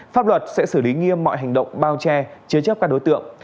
pháp luật sẽ xử lý nghiêm mọi hành động bao che chế chấp các đối tượng